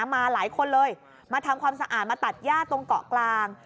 มาหลายคนเลยมาทำความสะอาดมาตัดย่าตรงเกาะกลาง